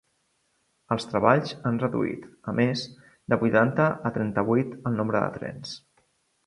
Els treballs han reduït, a més, de vuitanta a trenta-vuit el nombre de trens.